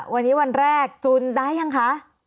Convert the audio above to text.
วันนี้วันแรกจุนได้ยังคะ